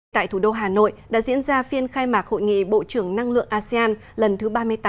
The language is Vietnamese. tại thủ đô hà nội đã diễn ra phiên khai mạc hội nghị bộ trưởng năng lượng asean lần thứ ba mươi tám